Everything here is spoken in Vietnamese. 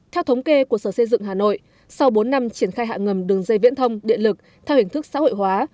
theo thống kê của sở xây dựng hà nội sau bốn năm triển khai hạ ngầm đường dây viễn thông điện lực theo hình thức xã hội hóa